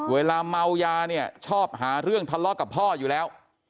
เวลาเมายาเนี่ยชอบหาเรื่องทะเลาะกับพ่ออยู่แล้ว